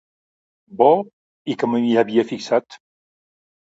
Bo i que m'hi havia fixat.